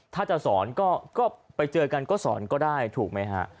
ถ้าจะสอนก็ไปเจอกันก็สอนก็ได้ถูกไหมฮะ